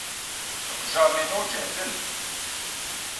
Iqejjaṛen-inu jehden.